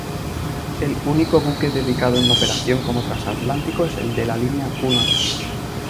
El único buque dedicado en operación como transatlántico es el de la línea Cunard.